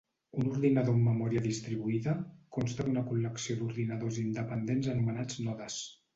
Un ordinador amb memòria distribuïda consta d'una col·lecció d'ordinadors independents anomenats nodes.